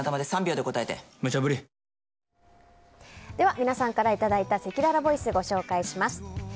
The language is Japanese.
皆さんからいただいたせきららボイスをご紹介します。